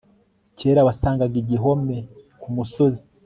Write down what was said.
Kera wasangaga igihome kumusozi